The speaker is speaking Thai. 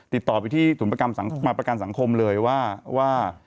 ติดต่อไปที่ธรรมประการสังคมเลยว่า